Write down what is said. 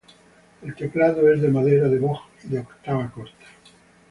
El teclado es de madera de boj y de octava corta.